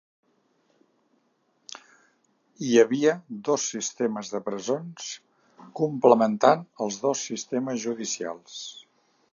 Hi havia dos sistemes de presons complementant els dos sistemes judicials.